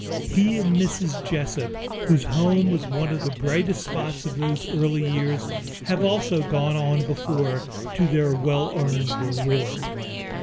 He and Mrs. Jessup, whose home was one of the brightest spots of those early years, have also gone on before to their well earned reward.